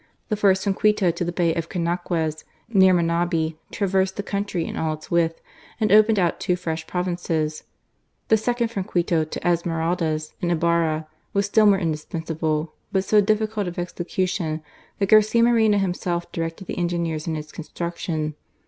The first from Quito to the Bay of Canaques, near Manahi, traversed the country in all its width, and opened out two fresh provinces. The second from Quito to Esmeraldas and Ibarra, vras still more indispen sable, but so difficult of execution that Garcia FINANCES AND PUBLIC WORKS. 249 Moreno himself directed the engineers in its con struction.